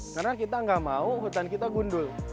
karena kita tidak mau hutan kita gundul